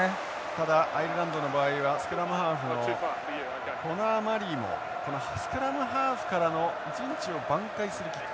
ただアイルランドの場合はスクラムハーフのコナーマリーもスクラムハーフからの陣地を挽回するキック。